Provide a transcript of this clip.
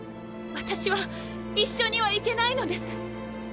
私は一緒にはいけないのです。